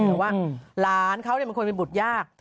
แต่ว่าหลานเขาเป็นคนมีบุตรยาก